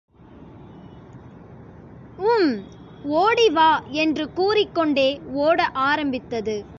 உம், ஒடி வா என்று கூறிக்கொண்டே ஒட ஆரம்பித்தது.